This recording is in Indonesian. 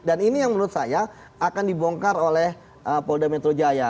dan ini yang menurut saya akan dibongkar oleh polda metro jaya